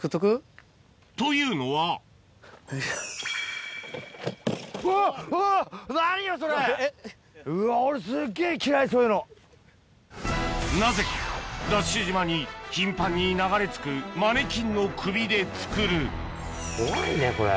というのはなぜかＤＡＳＨ島に頻繁に流れ着くマネキンの首で作るすごいねこれ。